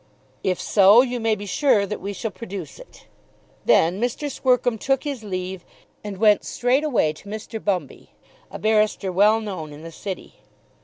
"If so you may be sure that we shall produce it." Then Mr. Squercum took his leave and went straight away to Mr. Bumby, a barrister well known in the City.